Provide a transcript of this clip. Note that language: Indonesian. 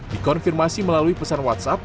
dikonfirmasi melalui pesan whatsapp